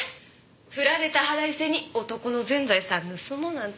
ふられた腹いせに男の全財産盗もうなんて。